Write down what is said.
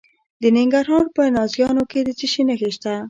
د ننګرهار په نازیانو کې څه شی شته؟